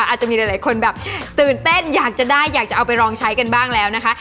อาจจะมีหลายคนแบบตื่นเต้นอยากจะได้อยากจะเอาไปลองใช้กันบ้างแล้วนะคะ